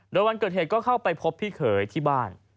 โดยวันเกิดเหตุก็เข้าไปพบพี่เขยที่บ้าน